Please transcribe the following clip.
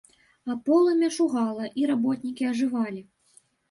А полымя шугала, і работнікі ажывалі.